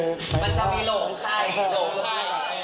มันจะมีโหลงไข่